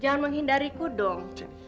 jangan menghindariku dong